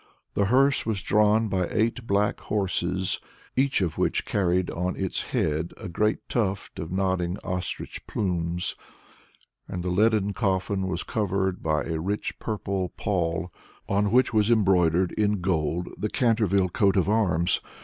The hearse was drawn by eight black horses, each of which carried on its head a great tuft of nodding ostrich plumes, and the leaden coffin was covered by a rich purple pall, on which was embroidered in gold the Canterville coat of arms.